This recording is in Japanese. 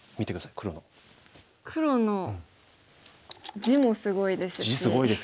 黒の地もすごいですし。